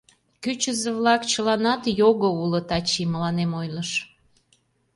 — Кӱчызӧ-влак чыланат його улыт, — ачий мыланем ойлыш.